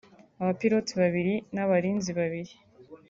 abapirote babiri n’abarinzi babiri